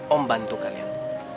om bantu kalian